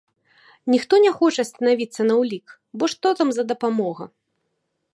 Ніхто не хоча станавіцца на ўлік, бо што там за дапамога?